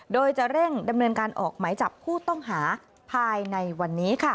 โดยจะเร่งดำเนินการออกหมายจับผู้ต้องหาภายในวันนี้ค่ะ